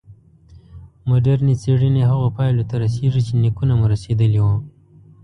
مډرني څېړنې هغو پایلو ته رسېږي چې نیکونه مو رسېدلي وو.